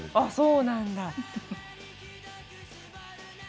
そうなんだ。